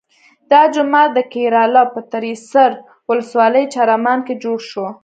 دا جومات د کیراله په تریسر ولسوالۍ چرامان کې جوړ شو.